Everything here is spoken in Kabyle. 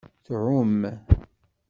Tɛum.